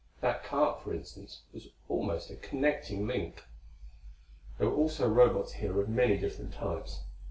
That cart, for instance, was almost a connecting link. There were also Robots here of many different types.